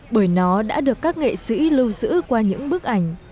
bởi nó đã được các nghệ sĩ lưu giữ qua những bức ảnh